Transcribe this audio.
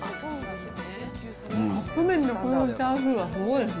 カップ麺でこのチャーシューはすごいですね。